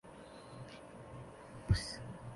有两个人在推销产品